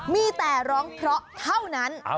มีแต่ร้องเพราะเท่านั้น